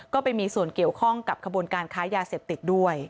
ก็ไปมีส่วนเกี่ยวข้องกับขบวนการค้ายาเสพติดด้วย